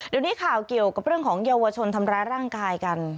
เดี๋ยวนี้ข่าวเกี่ยวกับเรื่องของเยาวชนทำร้ายร่างกายกัน